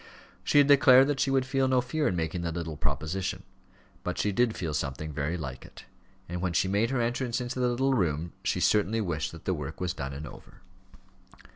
She had declared that she would feel no fear in making the little proposition. But she did feel something very like it; and when she made her entrance into the little room she certainly wished that the work was done and over.